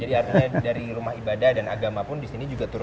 jadi artinya dari rumah ibadah dan agama pun disini juga turun